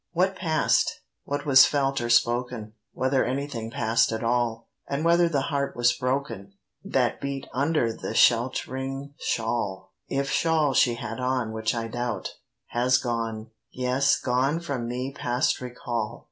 What pass'd, what was felt or spoken— Whether anything pass'd at all— And whether the heart was broken That beat under that shelt'ring shawl— (If shawl she had on, which I doubt)—has gone, Yes, gone from me past recall.